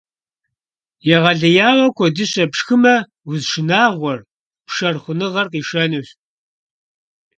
Егъэлеяуэ куэдыщэ пшхымэ, уз шынагъуэр — пшэр хъуныгъэр — къишэнущ.